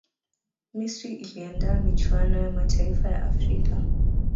misri iliandaa michuano ya mataifa ya afrika